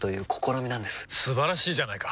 素晴らしいじゃないか！